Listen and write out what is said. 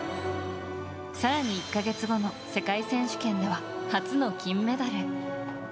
更に１か月後の世界選手権では初の金メダル。